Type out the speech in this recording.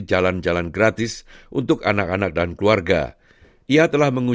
dan di beberapa kawasan yang tidak terkendali